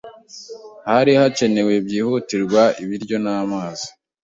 Harakenewe byihutirwa ibiryo n'amazi.